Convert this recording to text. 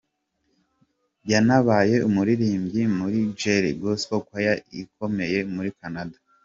Yanabaye umuririmbyi muri Jireh Gospel Choir ikomeye muri Canada.